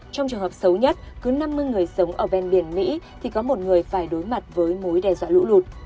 trong trường hợp xấu nhất cứ năm mươi người sống ở ven biển mỹ thì có một người phải đối mặt với mối đe dọa lũ lụt